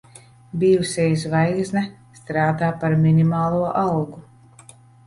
Bijusī zvaigzne strādā par minimālo algu.